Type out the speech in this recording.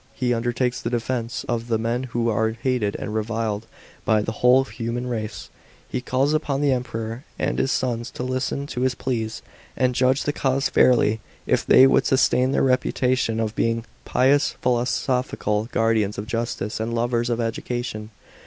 He undertakes the defence of " the men who are hated and reviled by the whole human race." He calls upon the Emperor and his sons to listen to his pleas, and judge the cause fairly, if they would sustain their reputation of being "pious, philosophical, guardians of justice, and lovers of education.'